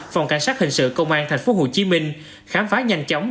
phòng cảnh sát hình sự công an tp hcm khám phá nhanh chóng